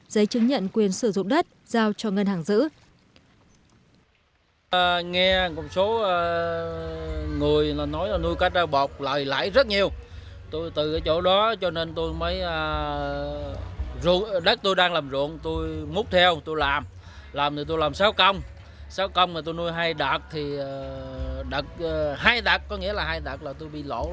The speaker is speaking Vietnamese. giấy chứng nhận quyền sử dụng đất giao cho ngân hàng giữ